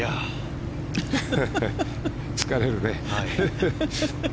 疲れるね。